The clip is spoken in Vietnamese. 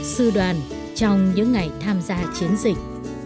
sư đoàn trong những ngày tham gia chiến dịch